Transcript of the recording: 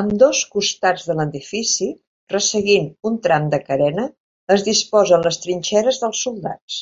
Ambdós costats de l'edifici, resseguint un tram de carena, es disposen les trinxeres dels soldats.